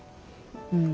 うん。